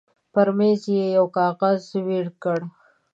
پر مېز يې يو کاغذ وېړ کړ.